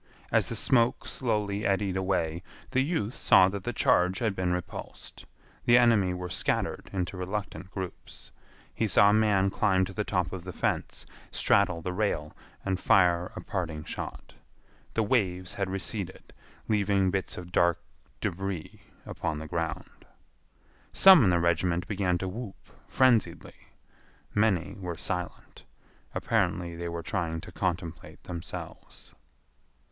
As the smoke slowly eddied away, the youth saw that the charge had been repulsed. The enemy were scattered into reluctant groups. He saw a man climb to the top of the fence, straddle the rail, and fire a parting shot. The waves had receded, leaving bits of dark débris upon the ground. Some in the regiment began to whoop frenziedly. Many were silent. Apparently they were trying to contemplate themselves.